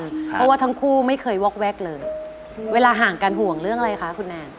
เพราะว่าทั้งคู่ไม่เคยวอกแวกเลยเวลาห่างกันห่วงเรื่องอะไรคะคุณแนน